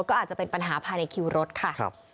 ก็อาจจะเป็นปัญหาภายในคิวรถค่ะ